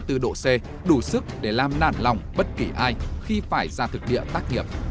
điều này gây gắt lên tới năm mươi bốn độ c đủ sức để làm nản lòng bất kỳ ai khi phải ra thực địa tác nghiệp